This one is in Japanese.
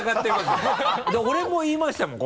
だから俺も言いましたもん